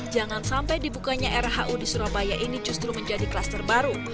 jangan sampai dibukanya rhu di surabaya ini justru menjadi kluster baru